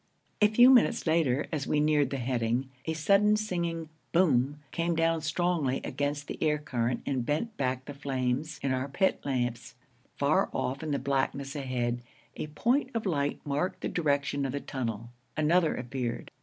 A few minutes later, as we neared the heading, a sudden singing 'boom' came down strongly against the air current and bent back the flames in our pit lamps. Far off in the blackness ahead, a point of light marked the direction of the tunnel; another appeared.